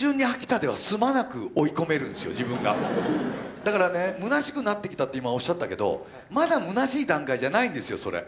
だからねむなしくなってきたって今おっしゃったけどまだむなしい段階じゃないんですよそれ。